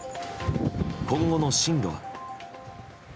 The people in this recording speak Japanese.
今後の進路は。